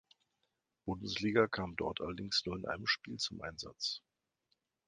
Bundesliga, kam dort allerdings nur in einem Spiel zum Einsatz.